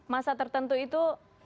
masa tertentu itu